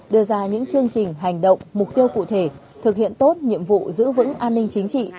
đưa ra những chương trình hành động mục tiêu cụ thể thực hiện tốt nhiệm vụ giữ vững an ninh chính trị